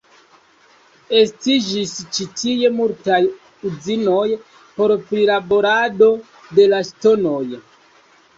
Estiĝis ĉi tie multaj uzinoj por prilaborado de la ŝtonoj.